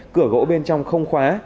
cửa gỗ bên trong không khóa